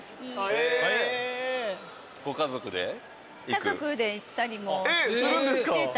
家族で行ったりもしてた。